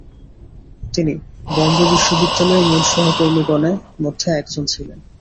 তিনি বম্বে বিশ্ববিদ্যালয়ের মূল সহকর্মীগণে মধ্যে একজন ছিলেন।